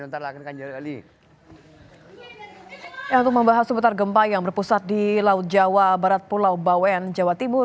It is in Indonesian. untuk membahas seputar gempa yang berpusat di laut jawa barat pulau bawen jawa timur